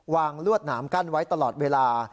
ลวดหนามกั้นไว้ตลอดเวลา